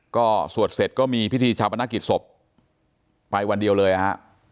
ก็สวดเสร็จก็มีพิธีชาปนกิจศพไปวันเดียวเลยฮะ